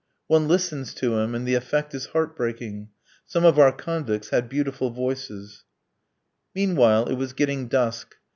One listens to him, and the effect is heart breaking. Some of our convicts had beautiful voices. Meanwhile it was getting dusk.